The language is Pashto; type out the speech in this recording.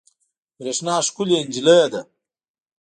برېښنا ښکلې انجلۍ ده